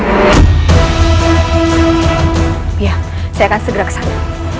ya saya akan segera ke sana